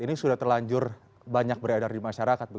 ini sudah terlanjur banyak beredar di masyarakat